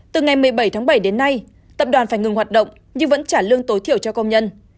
từ ngày một mươi bảy tháng bảy đến nay tập đoàn phải ngừng hoạt động nhưng vẫn trả lương tối thiểu cho công nhân